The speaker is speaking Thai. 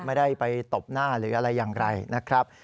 ไม่ได้ไปตบหน้าหรืออะไรอย่างไรนะครับ